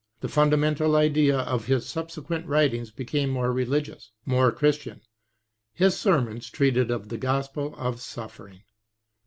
The fundamental idea in his subseqiient writings became more religious, more Christian; his sermons treated of the gospel of suffering.